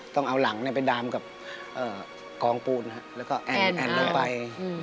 ต้องเอาหลังไปดามกับกองปูนแล้วก็แอ่นลงไป